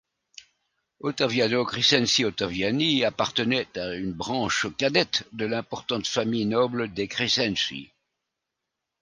Ottaviano Crescenzi Ottaviani appartenait à une branche cadette de l'importante famille noble des Crescenzi.